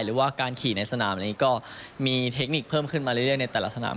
หรือว่าการขี่ในสนามนี้ก็มีเทคนิคเพิ่มขึ้นมาเรื่อยในแต่ละสนาม